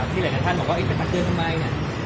หลายท่านบอกว่าจะมาเตือนทำไมเนี่ย